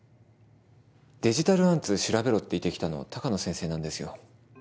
デジタルアンツ調べろって言ってきたの鷹野先生なんですよ。